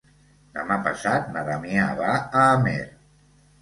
Demà passat na Damià va a Amer.